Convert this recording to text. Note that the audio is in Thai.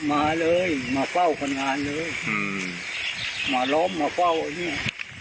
มาเลยมาเป้าคนงานเลยมาล้อมมาเป้าเนี่ย